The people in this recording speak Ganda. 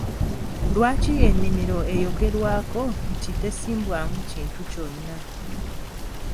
Lwaki ennimiro eyogerwako nti tesimbwamu kintu kyonna?